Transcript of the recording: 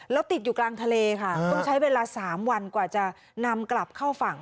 แล้วติดอยู่กลางทะเลค่ะต้องใช้เวลา๓วันกว่าจะนำกลับเข้าฝั่ง